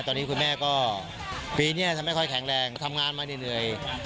ตอนนี้คุณแม่ก็ปีนี้จะไม่ค่อยแข็งแรงทำงานมาเหนื่อย